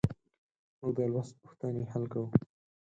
موږ د لوست پوښتنې حل کوو.